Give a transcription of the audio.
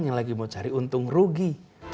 yang lagi mau cari untung rugi